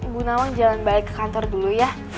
ibu nawang jalan baik ke kantor dulu ya